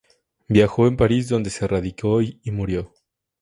Viajó en París donde se radicó y murió.